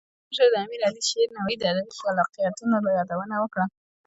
ولسمشر د امیر علي شیر نوایی د ادبی خلاقیتونو یادونه وکړه.